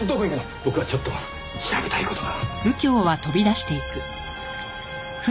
僕はちょっと調べたい事が。